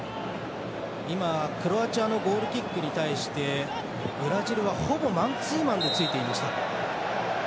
クロアチアのゴールキックに対してブラジルは、ほぼマンツーマンでついていました。